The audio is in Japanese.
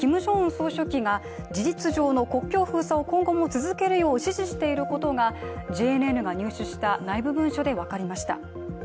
総書記が事実上の国境封鎖を今後も続けるよう指示していることがＪＮＮが入手した内部文書で分かりました。